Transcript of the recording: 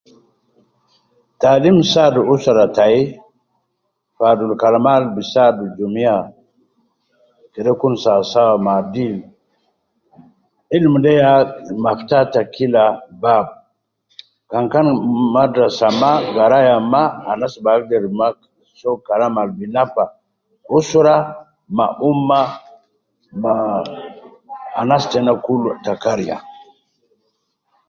Taalim saadu usra tai fi adulu kalama al bi saadu jumiya kede kun sawa sawa ma deen ,ilim de ya mafta ta kila tab, kan kan madrasa ma garaya ma anas bi agder ma soo kalam al bi nafa usra ma umma ma anas tena kulu ta kariya